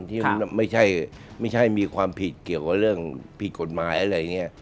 ที่ไม่ใช่มีความผิดเกี่ยวกับเรื่องผิดกฎหมายอะไรอย่างนี้